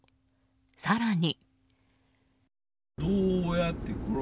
更に。